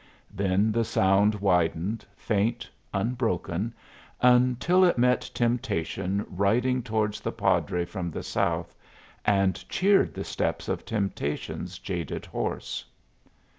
Then the sound widened, faint, unbroken, until it met Temptation riding towards the padre from the south, and cheered the steps of Temptation's jaded horse.